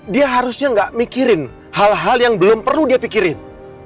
dia harusnya gak mikirin hal hal yang belum perlu dia pikirin